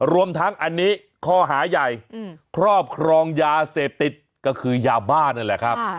รวมทั้งอันนี้ข้อหาใหญ่ครอบครองยาเสพติดก็คือยาบ้านั่นแหละครับ